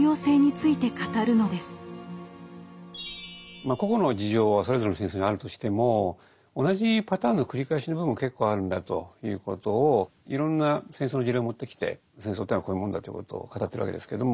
まあ個々の事情はそれぞれの戦争にあるとしても同じパターンの繰り返しの部分も結構あるんだということをいろんな戦争の事例を持ってきて戦争っていうのはこういうもんだということを語ってるわけですけれども。